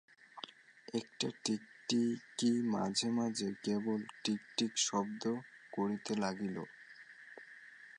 একটা টিকটিকি মাঝে মাঝে কেবল টিকটিক শব্দ করিতে লাগিল।